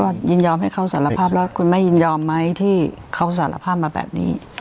ก็ยินยอมให้เขาสารภาพแล้วคุณแม่ยินยอมไหมที่เขาสารภาพมาแบบนี้